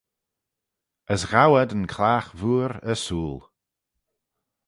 As ghow ad yn clagh vooar ersooyl.